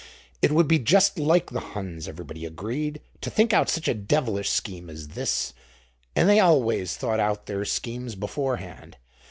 It would be just like the Huns, everybody agreed, to think out such a devilish scheme as this; and they always thought out their schemes beforehand.